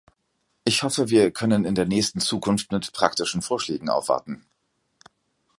Ich hoffe, wir können in der nächsten Zukunft mit praktischen Vorschlägen aufwarten.